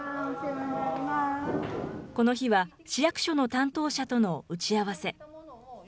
この日は、市役所の担当者との打ち合わせ。